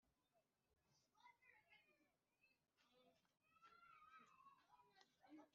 iyo migani ya kera irimo utuntu twinshi cyane ku buryo hari igitabo gisobanura iby’imigani cyagize kiti